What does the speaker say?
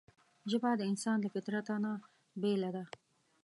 ژبه د انسان له فطرته نه بېله ده